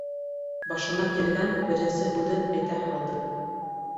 Башына килгән беренсе һүҙен әйтә һалды: